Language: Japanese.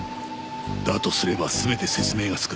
だとすれば全て説明がつく。